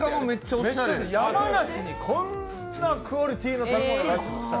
山梨にこんなクオリティーの高いやつが。